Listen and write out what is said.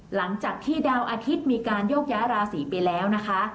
หลังจากที่ดาวอาทิตย์มีการโยกย้ายราศีไปแล้วนะคะ